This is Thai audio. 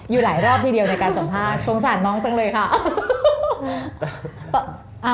อยู่หลายรอบทีเดียวในการสัมภาษณ์สงสารน้องจังเลยค่ะ